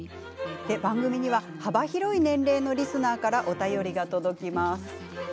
番組には幅広い年齢のリスナーからお便りが届きます。